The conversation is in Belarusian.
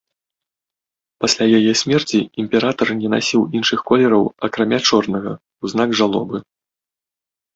Пасля яе смерці імператар не насіў іншых колераў акрамя чорнага ў знак жалобы.